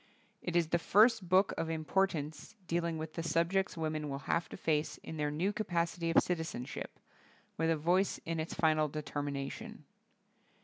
It is the first book of im portance dealing with the subjects women will have to face in their new capacity of citizenship, with a voice in its final determination.